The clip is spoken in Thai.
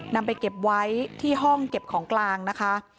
นำไปเก็บไว้ที่ห้องเก็บของกลางนะคะ